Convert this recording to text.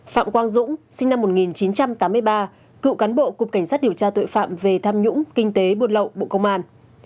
phạm quang dũng sinh năm một nghìn chín trăm tám mươi ba cựu cán bộ cục cảnh sát điều tra tội phạm về tham nhũng kinh tế buôn lậu bộ công an